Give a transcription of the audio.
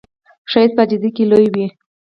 ښایست په عاجزۍ کې لوی وي